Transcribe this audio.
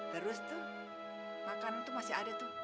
terus tuh makanan tuh masih ada tuh